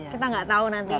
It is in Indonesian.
kita gak tahu nanti